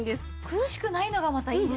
苦しくないのがまたいい。